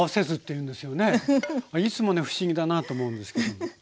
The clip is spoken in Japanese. いつもね不思議だなと思うんですけども。